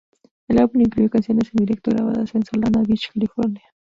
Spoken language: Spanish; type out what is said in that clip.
El álbum incluyó canciones en directo grabadas en Solana Beach, California.